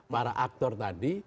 para aktor tadi